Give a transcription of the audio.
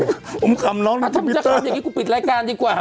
ผมคำแล้วพระท่านพิจารณ์อย่างนี้กูปิดรายการดีกว่า